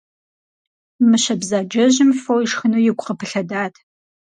Мыщэ бзаджэжьым фо ишхыну игу къыпылъэдат.